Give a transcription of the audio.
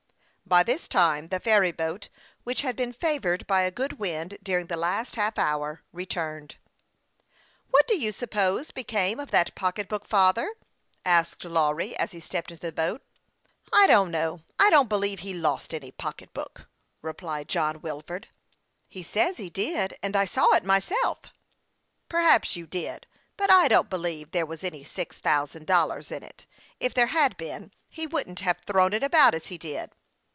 By this time, the ferry boat, which had been favored by a good wind during the last half hour, returned. " What do you suppose became of that pocket book, father ?" asked Lawry, as he stepped into the boat. THE YOUNG PILOT OF LAKE CHAMPLAIN. 53 " I don't know. I don't believe he lost any pock/ etbook," replied John Wilford. " He says he did, and I saw it myself." " Perhaps you did, but I don't believe there was any six thousand dollars in it. If there had been, he wouldn't have thrown it about as he did."